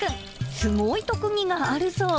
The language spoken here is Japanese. すごい特技があるそう。